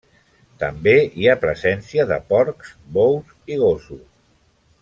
També hi ha presència de porcs, bous i gossos.